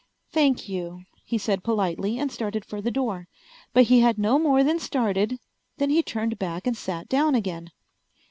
"Thank you," he said politely, and started for the door. But he had no more than started than he turned back and sat down again.